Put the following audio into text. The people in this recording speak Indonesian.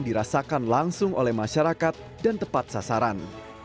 dirasakan langsung oleh masyarakat dan tepat sasaran